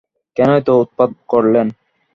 কেন এত উৎপাত করলেন!